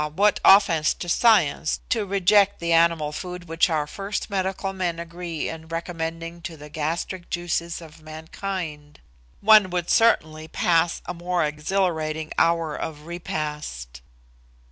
what offence to science to reject the animal food which our first medical men agree in recommending to the gastric juices of mankind!) one would certainly pass a more exhilarating hour of repast.